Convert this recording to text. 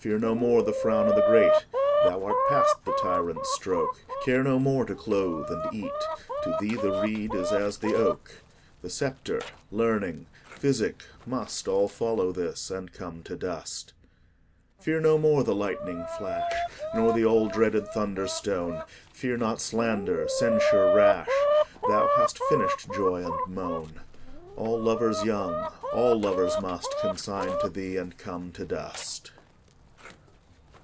Fear no more the frown o' the great, Thou art past the tyrant's stroke; Care no more to clothe, and eat; To thee the reed is as the oak: The sceptre, learning, physic, must All follow this and come to dust. Fear no more the lightning flash Nor the all dreaded thunder stone; Fear not slander, censure rash; Thou hast finished joy and moan: All lovers young, all lovers must Consign to thee, and come to dust.